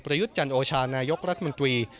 ยุทธ์จันโอชานายกรัฐมนตรี